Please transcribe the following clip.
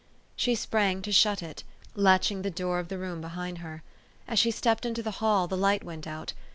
She sprang to shut it, latching the door of the room behind her. As she stepped into the hall, the light went out.